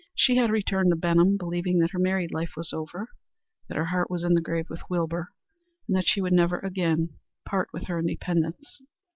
She had returned to Benham believing that her married life was over; that her heart was in the grave with Wilbur, and that she would never again part with her independence.